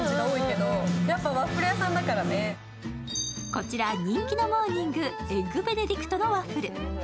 こちら人気のモーニング、エッグベネディクトのワッフル。